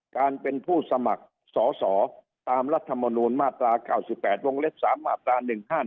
การเป็นผู้สมัครสอสอตามรัฐมนูลมาตรา๙๘วงเล็บ๓มาตรา๑๕๗